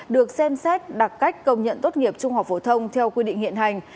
được xem xét đặc cách công nhận tốt nghiệp trung học phổ thông theo quy định hiện hành